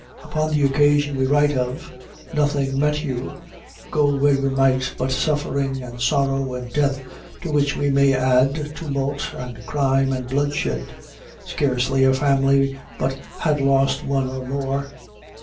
Upon the occasion we write of, nothing met you, go where you might, but suffering, and sorrow, and death, to which we may add, tumult, and crime, and bloodshed. Scarcely a family but had lost one or more.